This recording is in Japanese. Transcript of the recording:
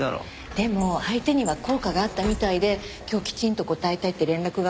でも相手には効果があったみたいで今日きちんと答えたいって連絡があったの。